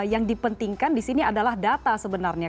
yang dipentingkan di sini adalah data sebenarnya